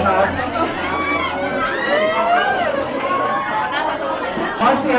โปรดติดตามต่อไป